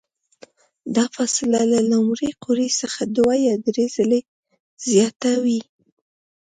دا فاصله له لومړۍ قوریې څخه دوه یا درې ځلې زیاته وي.